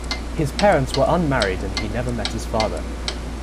His parents were unmarried and he never met his father.